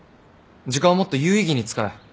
時間はもっと有意義に使え。